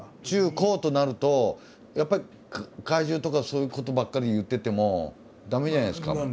中高となるとやっぱり怪獣とかそういうことばっかり言ってても駄目じゃないですか。